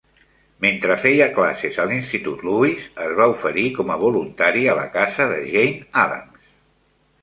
Mentre feia classes a l'Institut Lewis, es va oferir com a voluntari a la casa de Jane Addams.